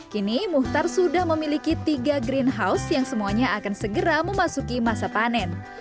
kini muhtar sudah memiliki tiga greenhouse yang semuanya akan segera memasuki masa panen